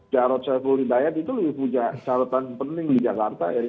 jarod syafuridaya itu lebih punya syaratan pening di jakarta ya